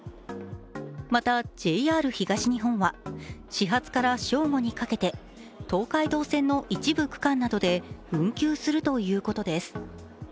また、ＪＲ東日本は始発から正午にかけて東海道線の一部区間などで運休するということです。